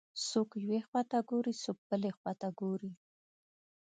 څوک یوې خواته ګوري، څوک بلې خواته ګوري.